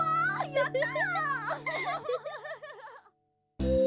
やった！